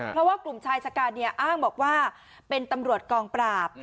เพราะว่ากลุ่มชายชะกันเนี่ยอ้างบอกว่าเป็นตำรวจกองปราบ